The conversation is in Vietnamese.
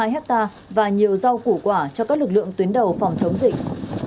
hai hectare và nhiều rau củ quả cho các lực lượng tuyến đầu phòng chống dịch